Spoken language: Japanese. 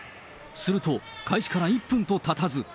すると開始から１分とたたず。